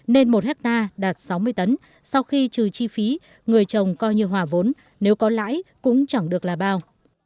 nên một hectare đạt sáu mươi tấn sau khi trừ chi phí người chồng coi như hòa vốn nếu có lãi cũng chẳng được là bao